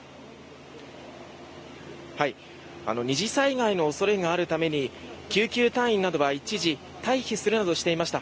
二次災害の恐れがあるために救急隊員などは一時退避するなどしていました。